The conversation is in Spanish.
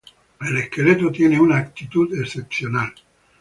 El esqueleto tiene una actitud excepcional.